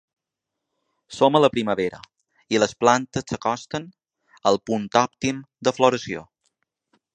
Som a la primavera i les plantes s’acosten al punt òptim de floració.